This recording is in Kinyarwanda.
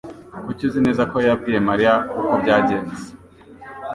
Kuki uzi neza ko yabwiye Mariya uko byagenze?